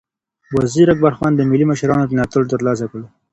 وزیر اکبرخان د ملي مشرانو ملاتړ ترلاسه کړ.